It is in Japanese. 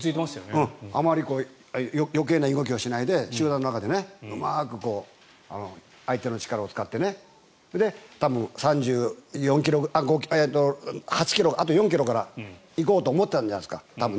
あまり余計な動きをしないで集団の中でうまく相手の力を使ってそれで、多分３８ｋｍあと４ｋｍから行こうと思ってたんじゃないですか、多分。